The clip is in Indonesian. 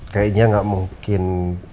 sebenarnya nggak mungkin